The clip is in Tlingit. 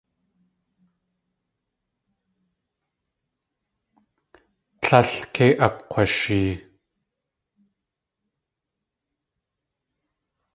Tlél kei akg̲washee.